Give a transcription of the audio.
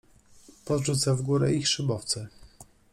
Podrzuca w górę ich szybowce.